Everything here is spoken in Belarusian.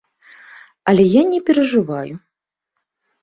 Але я не перажываю.